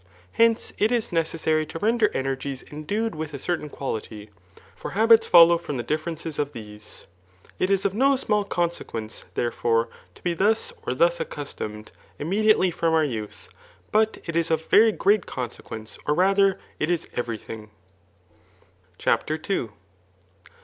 Hence» it is necessary to render energies endued with a certain quality { for habits follow from the differ.* qiQe? of these. It is of no small consequence, therefor^ t^ be thus or thus accustomed immediately from our youth, but it is of very great consequence j or rather, it is every thing. Digitized by Google 5S THJI irttOMACHBAH lOtfrf'^* CHAPTER II. .